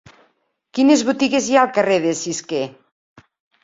Quines botigues hi ha al carrer de Cisquer?